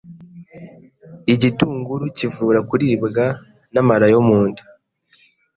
Igitunguru kivura kuribwa n’amara yo munda